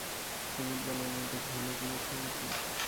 কুমুদ বলে, এর মধ্যে ভুলে গিয়েছ মতি?